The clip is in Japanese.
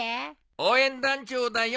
応援団長だよ！